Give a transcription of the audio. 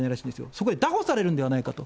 そこで拿捕されるんではないかと。